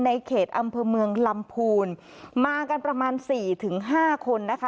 ในเขตอำเภอเมืองลำภูนิมากันประมาณ๔๕คนนะคะ